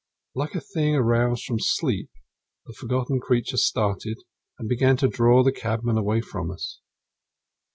Like a thing aroused from sleep the forgotten creature started and began to draw the cabman away from us.